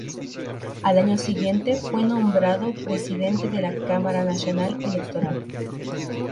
Al año siguiente fue nombrado presidente de la Cámara Nacional Electoral.